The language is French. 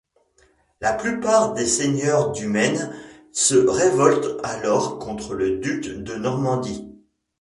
La plupart des seigneurs du Maine se révoltent alors contre le duc de Normandie.